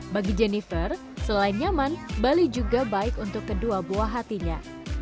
bagi jennifer selain nyaman bali juga baik untuk kedua buah hatinya